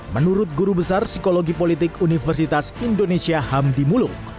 menurut guru besar psikologi politik universitas indonesia hamdi muluk